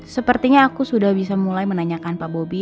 sepertinya aku sudah bisa mulai menanyakan pak bobi